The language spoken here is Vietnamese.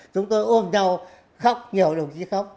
chúng tôi ôm nhau khóc nhiều đồng chí khóc